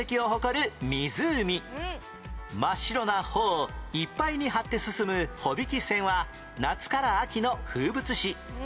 真っ白な帆をいっぱいに張って進む帆引き船は夏から秋の風物詩